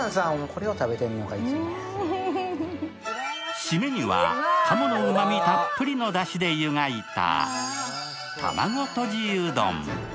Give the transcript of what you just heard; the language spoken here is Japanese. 締めには鴨のうまみたっぷりのだしでゆがいた卵とじうどん。